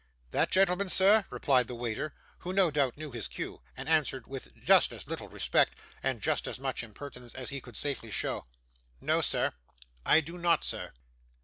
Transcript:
'That gentleman, sir?' replied the waiter, who, no doubt, knew his cue, and answered with just as little respect, and just as much impertinence as he could safely show: 'no, sir, I do not, sir.